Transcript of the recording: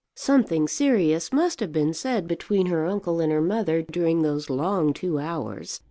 Something serious must have been said between her uncle and her mother during those long two hours.